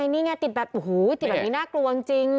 นี่ไงคุณผู้ชายติดอันดับนี้น่ากลัวจริง